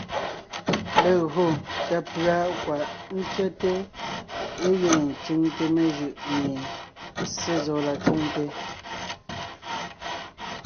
Legÿo tà pʉ̀a kwaʼ ntsẅɛ́te légíŋe ńcʉŋte mejʉʼ mie Ssé zɔ la cwoŋte,